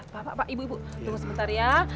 bapak bapak ibu ibu tunggu sebentar ya